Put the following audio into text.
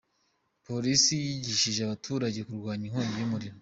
Polisi yigishije abaturage kurwanya inkongi y’umuriro